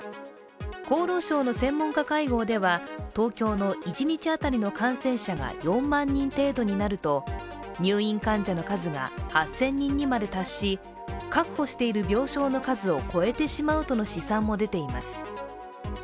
厚労省の専門家会合では東京の一日当たりの感染者が４万人程度になると、入院患者の数が８０００人にまで達し確保している病床の数を超えてしまうとの試算も出ています。